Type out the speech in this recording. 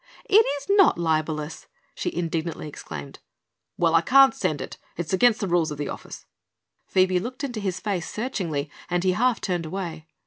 "It is not libelous!" she indignantly exclaimed. "Well, I can't send it; it's against the rules of the office." Phoebe looked into his face searchingly and he half turned away.